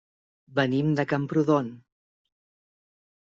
Venim de Camprodon.